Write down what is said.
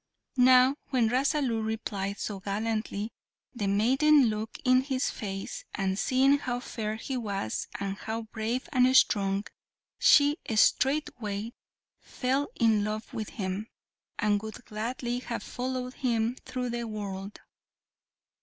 Now when Rasalu replied so gallantly, the maiden looked in his face, and seeing how fair he was, and how brave and strong, she straightway fell in love with him, and would gladly have followed him through the world.